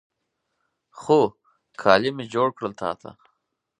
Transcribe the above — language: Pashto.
خو، کالي مې جوړ کړل تا ته